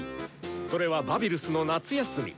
それはバビルスの夏休み！